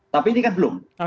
tapi ini kan belum